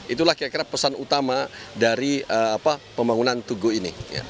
itulah kira kira pesan utama dari pembangunan tugu ini